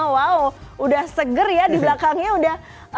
wow sudah seger ya di belakangnya